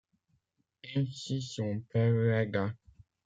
Ainsi son père l'aida.